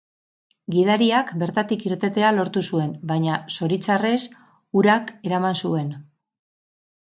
Gidariak bertatik irtetea lortu zuen, baina zoritxarrez, urak eraman zuen.